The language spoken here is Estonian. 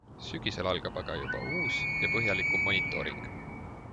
Sügisel algab aga juba uus ja põhjalikum monitooring.